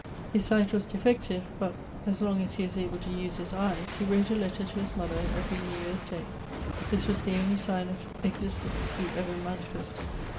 His sight was defective ; but, as long as he was able to use his eyes, he wrote a letter to his mother every New Year's Day; this was the only sign of existence he ever manifested.